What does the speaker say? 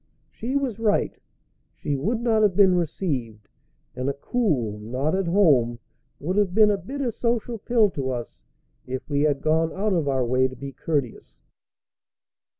She was right. She would not have been received, and a cool "Not at home" would have been a bitter social pill to us if we had gone out of our way to be courteous.